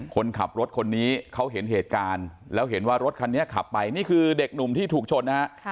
คนขับรถคนนี้เขาเห็นเหตุการณ์แล้วเห็นว่ารถคันนี้ขับไปนี่คือเด็กหนุ่มที่ถูกชนนะฮะ